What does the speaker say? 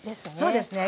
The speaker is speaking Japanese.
そうですね。